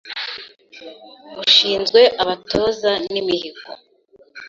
Ushinzwe abatoza n’imihigo;